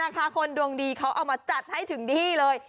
คนดวงดีเขาเอามาจัดให้ถึงที่เลย